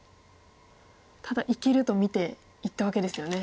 ただいけると見ていったわけですよね。